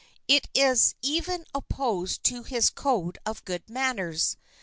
It is even opposed to his code of good manners.